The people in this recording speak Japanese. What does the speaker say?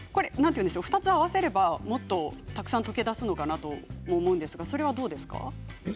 ２つ合わせればもっとたくさん溶け出すのかなと思うんですがどうですか？